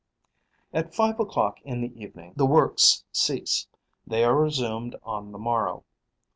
At five o'clock in the evening, the works cease. They are resumed on the morrow.